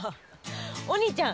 お兄ちゃん